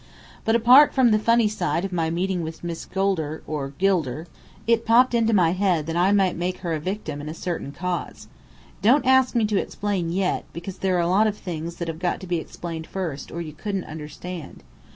But apart from the funny side of my meeting with Miss Golder, or Gilder, it popped into my head that I might make her a victim in a certain cause. Don't ask me to explain yet, because there are a lot of things that have got to be explained first, or you couldn't understand.